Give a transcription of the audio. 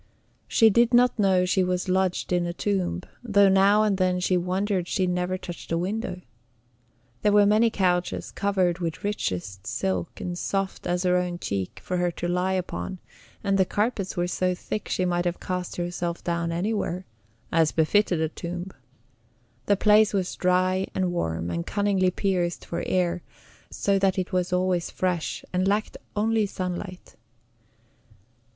She did not know she was lodged in a tomb, though now and then she wondered she never touched a window. There were many couches, covered with richest silk, and soft as her own cheek, for her to lie upon; and the carpets were so thick she might have cast herself down anywhere as befitted a tomb. The place was dry and warm, and cunningly pierced for air, so that it was always fresh, and lacked only sunlight.